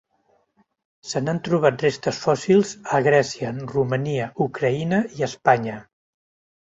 Se n'han trobat restes fòssils a Grècia, Romania, Ucraïna i Espanya.